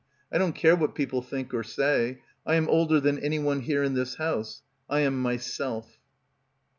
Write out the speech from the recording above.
I don't care what people think or say. I am older than anyone here in this house. I am myself.